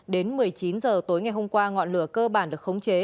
đến một mươi chín h tối ngày hôm qua ngọn lửa cơ bản được khống chế